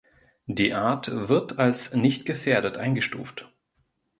Die Art wird als „nicht gefährdet“ eingestuft.